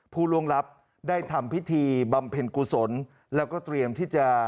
ผู้ล่วงลับได้ทำพิธีบำเพ็ญกุศลแล้วก็เตรียมที่จะ